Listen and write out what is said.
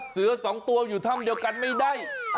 เสือสองตัวอยู่ถ้ำเดียวกันไม่ได้